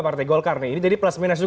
partai golkar nih